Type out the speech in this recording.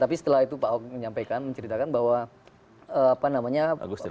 tapi setelah itu pak ahok menyampaikan menceritakan bahwa apa namanya pak agus telpon